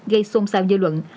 gây xôn xao dư luận